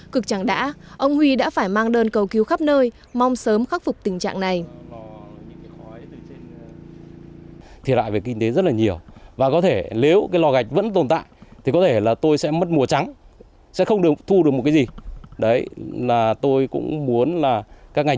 cực chẳng đã ông huy đã phải mang đơn cầu cứu khắp nơi mong sớm khắc phục tình trạng này